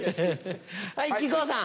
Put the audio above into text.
はい木久扇さん。